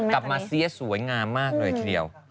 กลับมาเสี้ยสวยงามมากเลยทีเดียว